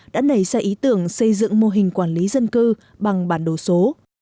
đã nảy ra ý tưởng xây dựng mô hình quản lý dân cư bằng bản đồ số